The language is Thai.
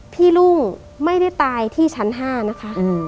ลุงไม่ได้ตายที่ชั้น๕นะคะ